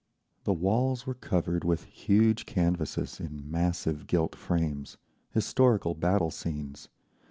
The walls were covered with huge canvases in massive gilt frames—historical battle scenes….